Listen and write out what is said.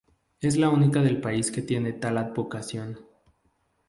Es la única del país que tiene tal advocación.